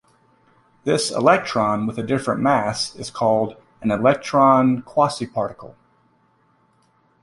This "electron" with a different mass is called an "electron quasiparticle".